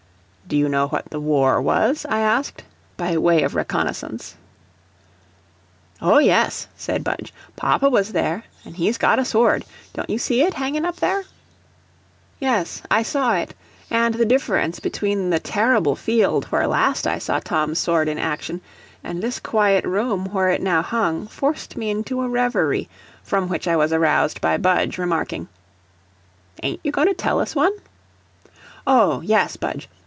"Do you know what the war was?" I asked, by way of reconnoissance. "Oh, yes," said Budge; "papa was there, an' he's got a sword; don't you see it, hangin' up there?" Yes, I saw it, and the difference between the terrible field where last I saw Tom's sword in action, and this quiet room where it now hung, forced me into a reverie from which I was aroused by Budge remarking: "Ain't you goin' to tell us one?" "Oh, yes, Budge.